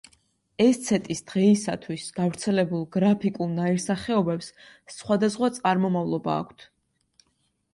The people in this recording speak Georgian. ესცეტის დღეისათვის გავრცელებულ გრაფიკულ ნაირსახეობებს სხვადასხვა წარმომავლობა აქვთ.